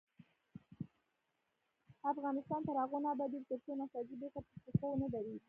افغانستان تر هغو نه ابادیږي، ترڅو نساجي بیرته په پښو ونه دریږي.